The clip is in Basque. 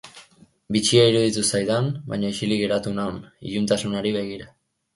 Bitxia iruditu zaidan, baina isilik geratu naun, iluntasunari begira.